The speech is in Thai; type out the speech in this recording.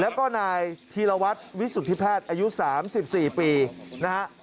แล้วก็นายธีรวัตรวิสุทธิแพทย์อายุ๓๔ปีนะฮะ